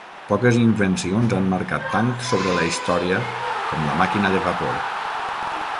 Poques invencions han marcat tant sobre la història com la màquina de vapor.